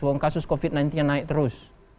bahwa kasus covid sembilan belas nya naik terus